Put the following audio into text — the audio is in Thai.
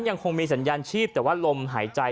ยังคงมีสัญญาณชีพแต่ว่าลมหายใจ